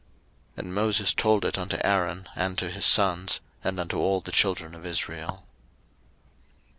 03:021:024 And Moses told it unto Aaron, and to his sons, and unto all the children of Israel.